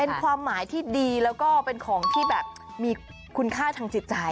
เป็นความหมายที่ดีแล้วก็เป็นของที่แบบมีคุณค่าทางจิตใจ